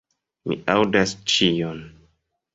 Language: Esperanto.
Mi aŭdas ĉion.